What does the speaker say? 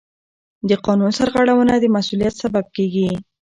د قانون سرغړونه د مسؤلیت سبب کېږي.